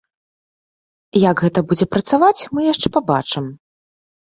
Як гэта будзе працаваць, мы яшчэ пабачым.